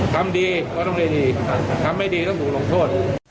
ทำดีก็ต้องได้ดีทำไม่ดีต้องถูกลงโทษ